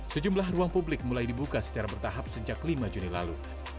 sejumlah ruang publik mulai dibuka secara bertahap sejak lima juni lalu